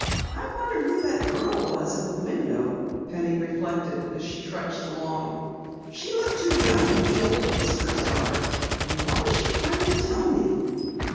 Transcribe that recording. "I wonder who that girl was at the window?" Penny reflected as she trudged along. "She looked too young to be Old Whisker's daughter. And what was she trying to tell me?"